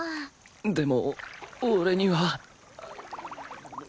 でも俺には